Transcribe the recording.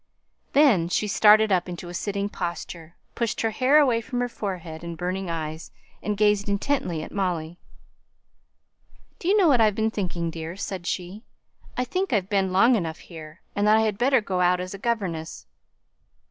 Then she started up into a sitting posture, pushed her hair away from her forehead and burning eyes, and gazed intently at Molly. "Do you know what I've been thinking, dear?" said she. "I think I've been long enough here, and that I had better go out as a governess."